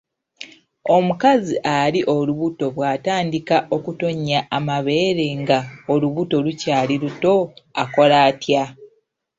Omukazi ali olubuto bw’atandika okutonnya amabeere nga olubuto lukyali luto akola atya?